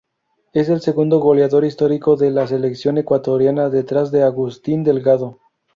Es el segundo goleador histórico de la Selección ecuatoriana, detrás de Agustín Delgado.